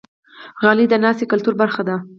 غالۍ د ناستې کلتور برخه ده.